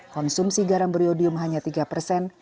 konsumsi garam beriodium hanya tiga persen